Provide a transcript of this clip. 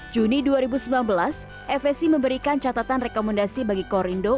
juni dua ribu sembilan belas fsc memberikan catatan rekomendasi bagi korindo